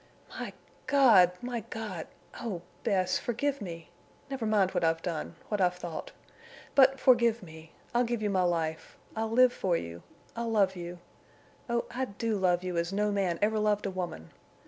"My God!... My God!... Oh, Bess!... Forgive me! Never mind what I've done—what I've thought. But forgive me. I'll give you my life. I'll live for you. I'll love you. Oh, I do love you as no man ever loved a woman.